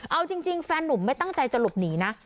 เอาจริงแฟนนุ่มไม่ตั้งใจจะหลบหนีนะ